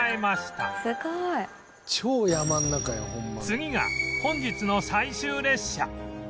次が本日の最終列車